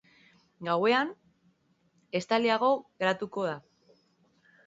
Gauean, estaliago geratuko da.